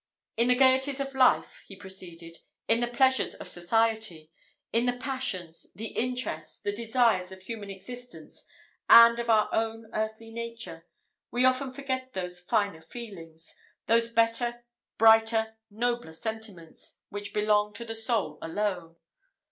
"In the gaieties of life," he proceeded, "in the pleasures of society, in the passions, the interests, the desires of human existence and of our earthly nature, we often forget those finer feelings those better, brighter, nobler sentiments, which belong to the soul alone.